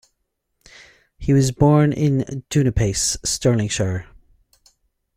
He was born in Dunipace, Stirlingshire.